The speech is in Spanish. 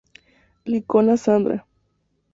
Licona Sandra.